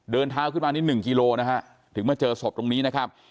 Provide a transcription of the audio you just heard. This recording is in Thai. เดินเท้าขึ้นมานี่๑กิโลนะฮะถึงมาเจอศพตรงนี้นะครับ